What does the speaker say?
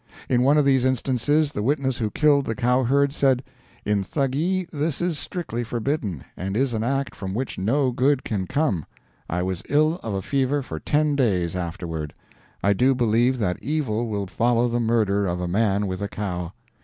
In one of these instances the witness who killed the cowherd said, "In Thuggee this is strictly forbidden, and is an act from which no good can come. I was ill of a fever for ten days afterward. I do believe that evil will follow the murder of a man with a cow.